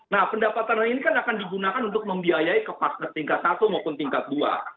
nah pendapatan ini kan akan digunakan untuk membiayai ke paster tingkat satu maupun tingkat dua